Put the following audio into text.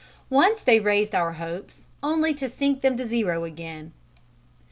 Once they raised our hopes, only to sink them to zero again.